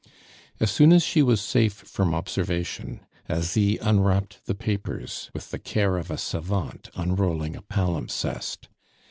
As soon as she was safe from observation, Asie unwrapped the papers with the care of a savant unrolling a palimpsest.